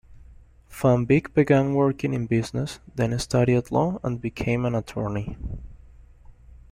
Van Wyck began working in business, then studied law and became an attorney.